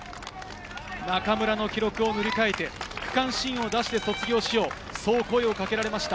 中村の記録を塗り替えて区間新を出して卒業しようと声をかけられました。